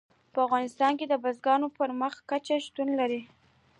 په افغانستان کې بزګان په پراخه کچه شتون لري.